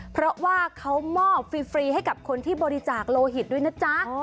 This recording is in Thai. เพราะว่าเขามอบฟรีให้กับคนที่บริจาคโลหิตด้วยนะจ๊ะ